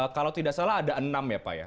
kalau tidak salah ada enam ya pak ya